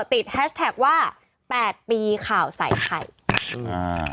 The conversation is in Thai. ติดแฮชแท็กว่า๘ปีข่าวใส่ไข่